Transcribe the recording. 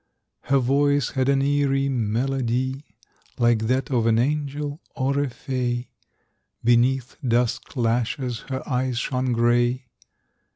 Her voice had an eerie melody, Like that of an angel or a fay. Beneath dusk lashes her eyes shone gray.